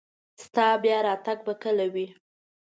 د تا بیا راتګ به کله وي